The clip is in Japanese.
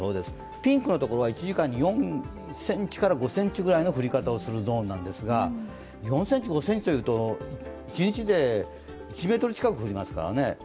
ピンクのところが１時間に４５ｃｍくらい降るゾーンですが４ｃｍ、５ｃｍというと一日で１ｍ近く降りますからね。